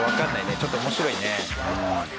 ちょっと面白いね。